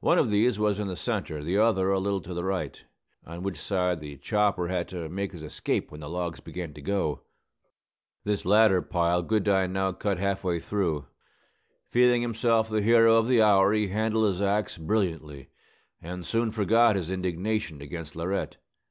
One of these was in the centre, the other a little to the right, on which side the chopper had to make his escape when the logs began to go. This latter pile Goodine now cut half way through. Feeling himself the hero of the hour, he handled his axe brilliantly, and soon forgot his indignation against Laurette.